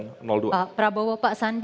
pertama para para ground